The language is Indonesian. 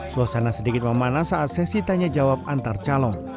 suasana sedikit memanas saat sesi tanya jawab antar calon